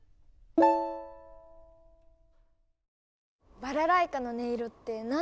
バラライカの音色って何だかすてき！